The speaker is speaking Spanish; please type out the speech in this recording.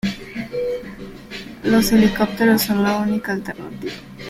Los helicópteros son la única alternativa.